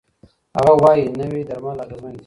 هغه وايي، نوي درمل اغېزمن دي.